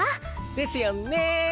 ですよね。